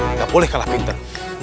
nggak boleh kalah pinter